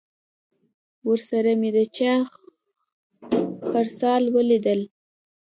ورسره مې د چا خرهار واورېدل.